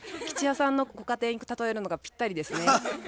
吉弥さんのご家庭に例えるのがぴったりですね。